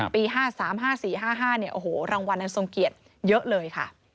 ปี๕๓๕๔๕๕เนี่ยโอ้โหรางวัลอันทรงเกียจเยอะเลยค่ะ